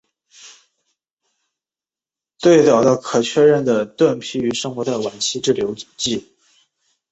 最早的可确认的盾皮鱼生活在晚期志留纪。